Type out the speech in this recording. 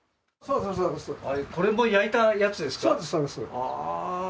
これも焼いたやつですか？